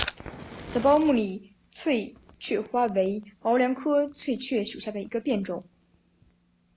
小苞木里翠雀花为毛茛科翠雀属下的一个变种。